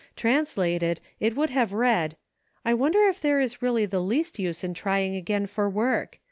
Translated, it would have read :" I wonder if there is really the least use in my trying again for work